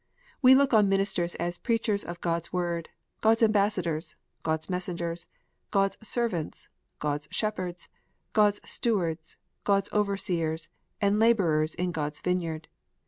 We look on ministers as preachers of God s Word, God s ambassadors, God s messengers, God s servants, God s shepherds, God s stewards, God s overseers, and labourers in God s vineyard.